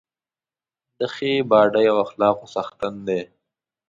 د ښې باډۍ او اخلاقو څښتن دی.